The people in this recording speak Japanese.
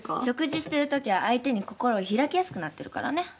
食事してるときは相手に心を開きやすくなってるからね。